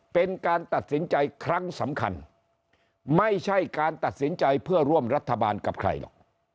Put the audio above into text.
เป็นการตัดสินใจครั้งสำคัญไม่ใช่การตัดสินใจเพื่อร่วมรัฐบาลกับใครหรอก